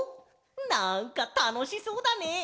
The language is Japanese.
なんかたのしそうだね！